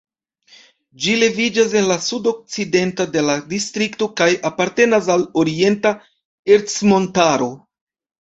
Ĝi leviĝas en la sudokcidento de la distrikto kaj apartenas al Orienta Ercmontaro.